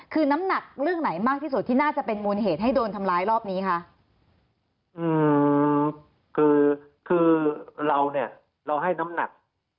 คือน้ำหนักเรื่องไหนมากที่สุดที่น่าจะเป็นมูลเหตุให้โดนทำร้ายรอบนี้คะอืมคือคือเราเนี่ยเราให้น้ำหนัก